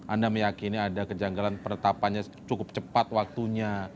anda meyakini ada kejanggalan penetapannya cukup cepat waktunya